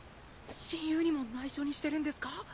親友にも内緒にしてるんですか？